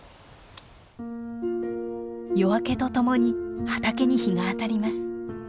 夜明けとともに畑に日が当たります。